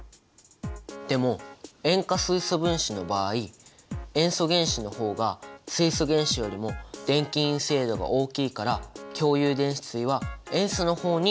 でも塩化水素分子の場合塩素原子の方が水素原子よりも電気陰性度が大きいから共有電子対は塩素の方に引き付けられる。